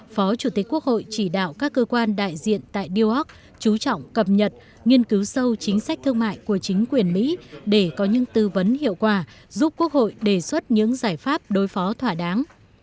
phó chủ tịch quốc hội chỉ đạo các cơ quan đại diện tại newark chú trọng cập nhật nghiên cứu sâu chính sách thương mại của chính quyền mỹ để có những tư vấn hiệu quả giúp quốc hội đề xuất những giải pháp đối phó thỏa đáng